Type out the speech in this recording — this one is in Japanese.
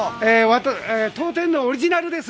当店のオリジナルです。